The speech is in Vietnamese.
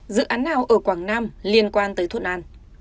dự án nào ở quảng nam liên quan tới thuận an